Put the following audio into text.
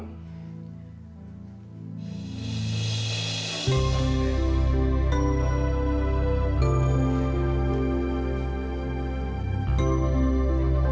kalau tidak pak d